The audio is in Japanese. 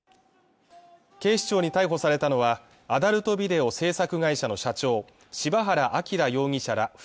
警視庁に逮捕されたのはアダルトビデオ制作会社の社長柴原光容疑者ら